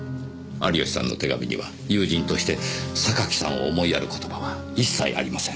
有吉さんの手紙には友人として榊さんを思いやる言葉は一切ありません。